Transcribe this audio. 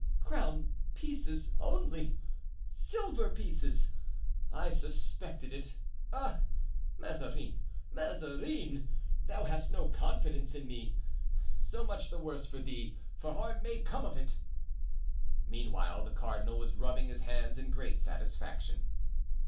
"Crown pieces only—silver pieces! I suspected it. Ah! Mazarin! Mazarin! thou hast no confidence in me! so much the worse for thee, for harm may come of it!" Meanwhile the cardinal was rubbing his hands in great satisfaction.